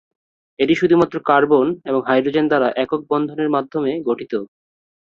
এটি শুধু মাত্র কার্বন এবং হাইড্রোজেন দ্বারা একক বন্ধনের মাধ্যমে গঠিত।